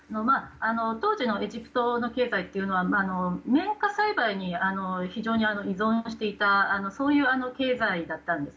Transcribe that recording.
当時のエジプトの経済というのは綿花栽培に非常に依存していたそういう経済だったんです。